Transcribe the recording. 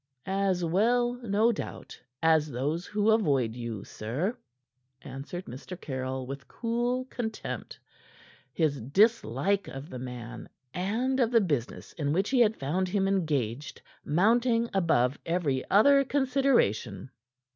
"As well, no doubt, as those who avoid you, sir," answered Mr. Caryll, with cool contempt, his dislike of the man and of the business in which he had found him engaged mounting above every other consideration.